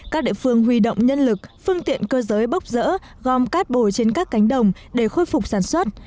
các địa phương huy động nhân lực phương tiện cơ giới bốc rỡ gom cát bồi trên các cánh đồng để khôi phục sản xuất